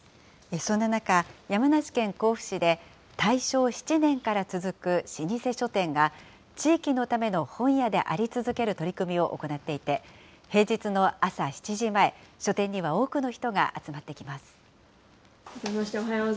そんな中、山梨県甲府市で、大正７年から続く老舗書店が、地域のための本屋であり続ける取り組みを行っていて、平日の朝７時前、書店には多くの人が集まってきます。